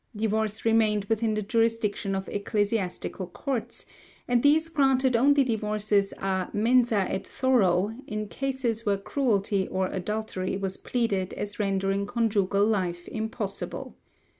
Divorce remained within the jurisdiction of ecclesiastical courts, and these granted only divorces a mensâ et thoro in cases where cruelty or adultery was pleaded as rendering conjugal life impossible.